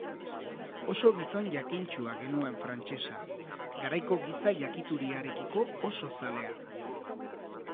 Oso gizon jakintsua genuen frantsesa, garaiko giza jakituriarekiko oso zalea.